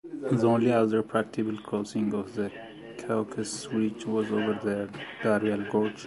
The only other practicable crossing of the Caucasus ridge was over the Darial Gorge.